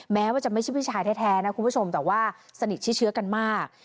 แม้ว่าจะไม่ใช่พี่ชายแท้นะคุณผู้ชมแต่ว่าสนิทชิดเชื้อกันมาก